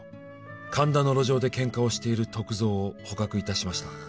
「神田の路上でケンカをしている篤蔵を捕獲いたしました」